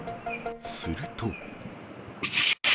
すると。